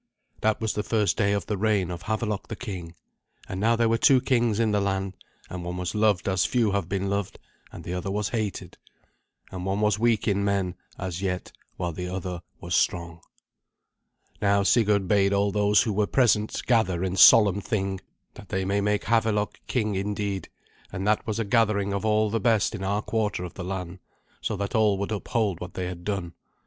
That was the first day of the reign of Havelok the king; and now there were two kings in the land, and one was loved as few have been loved, and the other was hated. And one was weak in men, as yet, while the other was strong. Now Sigurd bade all those who were present gather in solemn Thing, that they might make Havelok king indeed; and that was a gathering of all the best in our quarter of the land, so that all would uphold what they had done.